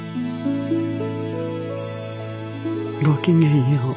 ごきげんよう。